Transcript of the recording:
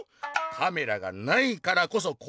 「カメラがないからこそこうつごう！